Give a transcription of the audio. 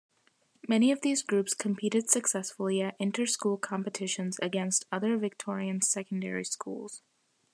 Many of these groups competed successfully at inter-school competitions against other Victorian secondary schools.